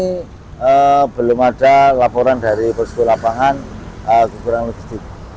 ini belum ada laporan dari posko lapangan kurang lebih sedikit